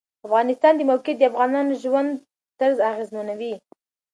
د افغانستان د موقعیت د افغانانو د ژوند طرز اغېزمنوي.